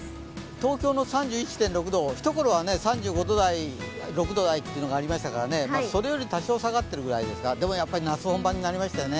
東京の３１．６度、ひところは３５度台３６度台というのがありましたからそれより、多少下がっているぐらいですが、でもやっぱり夏本番になりましたね。